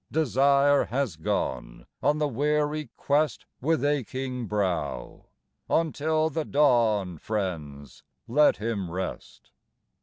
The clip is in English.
Desire has gone On the weary quest With aching brow: Until the dawn, Friends, let him rest.